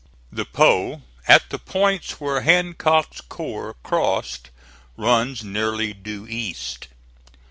The Po at the points where Hancock's corps crossed runs nearly due east.